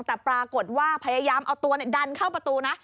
แต่ปรากฏว่าพยายามเอาตัวดันเข้าประตูนะ